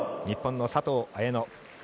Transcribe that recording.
日本の佐藤綾乃。